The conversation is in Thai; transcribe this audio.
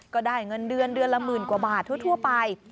ก็ได้เงินเดือนเดือนละหมื่นกว่าบาททั่วไป